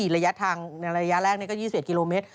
ระยะทางในระยะแรกนี้ก็๒๑กิโลเมตร